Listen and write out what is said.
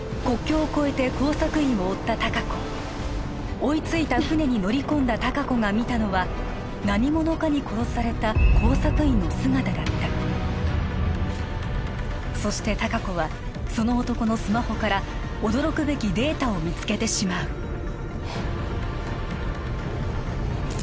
国境を越えて工作員を追った隆子追いついた船に乗り込んだ隆子が見たのは何者かに殺された工作員の姿だったそして隆子はその男のスマホから驚くべきデータを見つけてしまうえっ